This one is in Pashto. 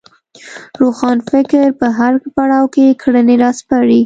روښانفکر په هر پړاو کې کړنې راسپړي